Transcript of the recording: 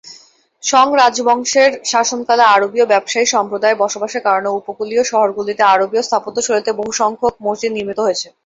Song রাজবংশের শাসনকালে আরবীয় ব্যবসায়ী সম্প্রদায়ের বসবাসের কারণে উপকূলীয় শহরগুলিতে আরবীয় স্থাপত্য শৈলীতে বহু সংখ্যক মসজিদ নির্মিত হয়েছে।